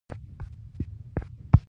"الحاد او سنتي" عربي ژبي لغتونه دي.